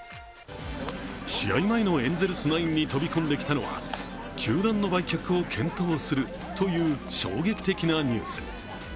試合前のエンゼルスナインに飛び込んできたのは球団の売却を検討するという衝撃的なニュース。